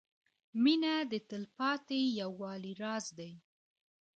• مینه د تلپاتې یووالي راز دی.